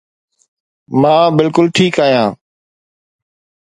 مان بلڪل ٺيڪ آهيان